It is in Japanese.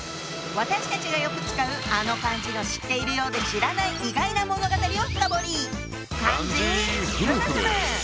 私たちがよく使うあの漢字の知っているようで知らない意外な物語を深堀り！